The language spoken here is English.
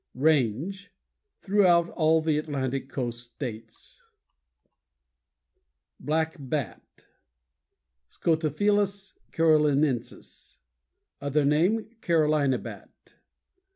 RANGE Throughout all the Atlantic coast states. Page 170. BLACK BAT Scotophilus carolinensis. Other name: "Carolina Bat."